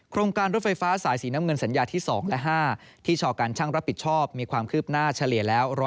โครงการรถไฟฟ้าสายสีน้ำเงินสัญญาที่๒และ๕ที่ชอการช่างรับผิดชอบมีความคืบหน้าเฉลี่ยแล้ว